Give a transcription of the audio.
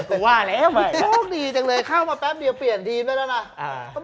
เข้ามาแป๊บเดี๋ยวเปลี่ยนดีมเว้นด้วยแล้วน่ะ